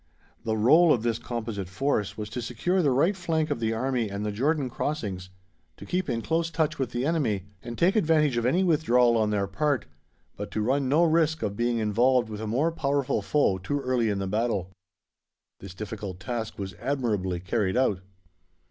The rôle of this composite force was to secure the right flank of the army and the Jordan crossings, to keep in close touch with the enemy and take advantage of any withdrawal on their part, but to run no risk of being involved with a more powerful foe too early in the battle. This difficult task was admirably carried out."